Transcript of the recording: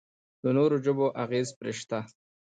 د نورو ژبو اغېز پرې شته.